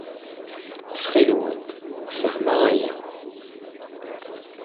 Ttxil-went, fehmemt aya.